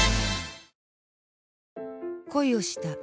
恋をした。